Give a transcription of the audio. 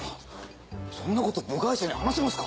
そんなこと部外者に話せますか！